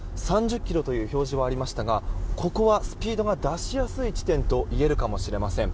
３０ｋｍという表示もありましたがここはスピードが出しやすい地点といえるかもしれません。